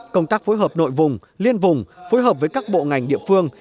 công tác phối hợp nội vùng liên vùng phối hợp với các bộ ngành địa phương